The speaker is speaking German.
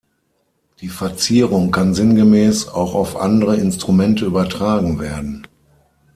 Die Verzierung kann sinngemäß auch auf andere Instrumente übertragen werden.